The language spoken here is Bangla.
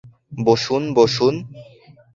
বসুন, বসুন।